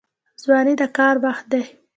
ځواني د کار وخت دی